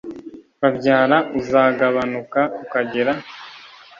babyara uzagabanuka ukagera